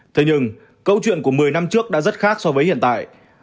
thế nhưng câu chuyện của một mươi năm trước đã rất khác so với hiện tại